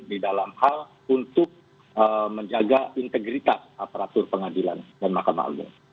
di dalam hal untuk menjaga integritas aparatur pengadilan dan mahkamah agung